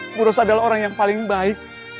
ibu rossa adalah orang yang paling baik